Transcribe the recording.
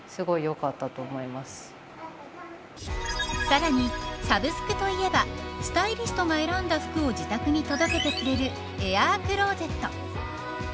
さらに、サブスクといえばスタイリストが選んだ服を自宅に届けてくれるエアークローゼット。